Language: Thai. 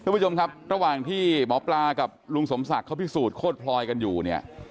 คุณผู้ชมครับระหว่างที่หมอปลากับลุงสมศักดิ์เขาพิสูจนโคตรพลอยกันอยู่เนี่ย